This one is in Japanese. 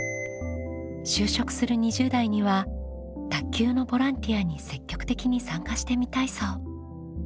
就職する２０代には卓球のボランティアに積極的に参加してみたいそう。